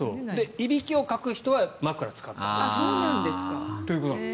いびきをかく人は枕を使ったほうがいいと。